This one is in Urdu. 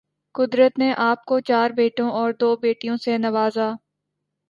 قدرت نے آپ کو چار بیٹوں اور دو بیٹیوں سے نوازا